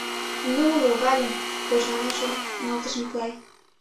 «Ну, логальым! — кожганен шоналтыш Миклай.